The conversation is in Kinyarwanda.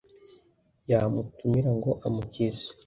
Yamutumira ngo amukize